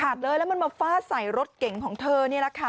เลยแล้วมันมาฟาดใส่รถเก่งของเธอนี่แหละค่ะ